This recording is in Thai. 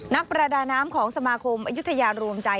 นักประดาน้ำของสมาคมอายุทยารวมใจ